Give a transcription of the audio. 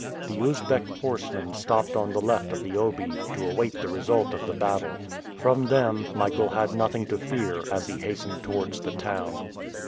The Usbeck horsemen stopped on the left of the Obi, to await the result of the battle. From them Michael had nothing to fear as he hastened towards the town.